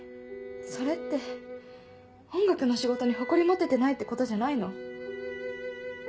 それって音楽の仕事に誇り持ててないってことじゃないの？